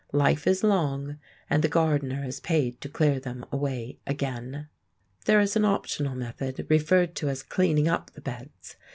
Life is long, and the gardener is paid to clear them away again. There is an optional method, referred to as "cleaning up the beds."